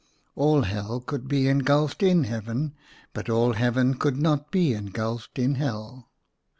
All Hell could be engulfed in Heaven, but all Heaven could not be engulfed in Hell."